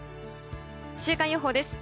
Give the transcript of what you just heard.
週間予報です。